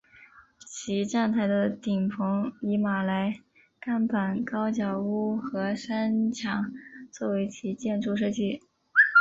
其站台的顶棚以马来甘榜高脚屋和山墙作为其建筑设计。